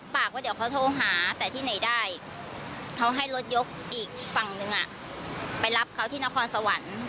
ไปรับครับเขาที่นครสวรรค์